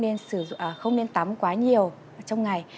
thì chúng ta cũng không nên tắm quá nhiều trong ngày